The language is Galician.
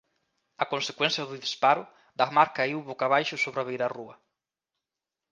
A consecuencia do disparo Dagmar caeu boca abaixo sobre a beirarrúa.